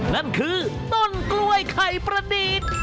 นั่นคือต้นกล้วยไข่ประดิษฐ์